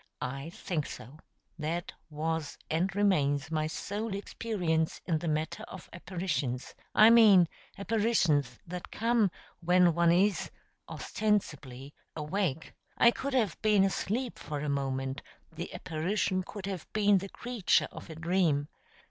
I think so. That was and remains my sole experience in the matter of apparitions I mean apparitions that come when one is (ostensibly) awake. I could have been asleep for a moment; the apparition could have been the creature of a dream.